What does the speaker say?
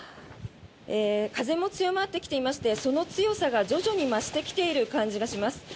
風も強まってきていましてその強さが徐々に増してきている感じがします。